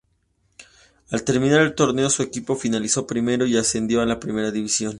Al terminar el torneo su equipo finalizó primero y ascendió a la Primera División.